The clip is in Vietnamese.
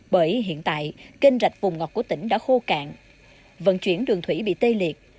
bởi hiện tại kênh rạch vùng ngọt của tỉnh đã khô cạn vận chuyển đường thủy bị tê liệt